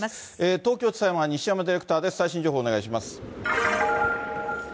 東京地裁前に西山ディレクターです。